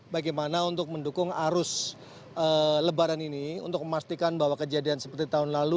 bagaimana untuk mendukung arus lebaran ini untuk memastikan bahwa kejadian seperti tahun lalu